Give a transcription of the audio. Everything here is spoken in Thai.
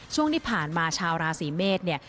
ช่วงที่ผ่านมาชาวราศรีเมฆ